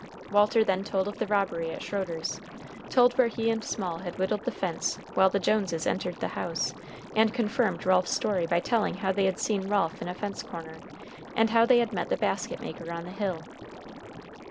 Walter then told of the robbery at Schroeder's, told where he and Small had whittled the fence while the Joneses entered the house, and confirmed Ralph's story by telling how they had seen Ralph in a fence corner, and how they had met the basket maker on the hill.